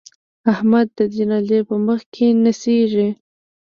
احمد د جنازې په مخ کې نڅېږي.